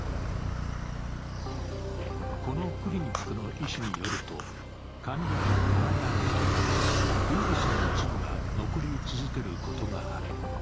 このクリニックの医師によると患者の鼻や喉にウイルスの一部が残り続けることがある。